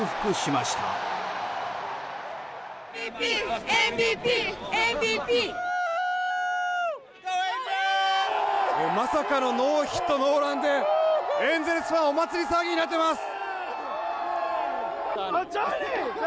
まさかのノーヒットノーランでエンゼルスファンお祭り騒ぎになってます！